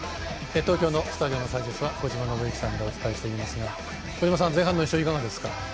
東京のスタジオの解説は小島伸幸さんでお伝えしていますが小島さん、前半の印象いかがですか？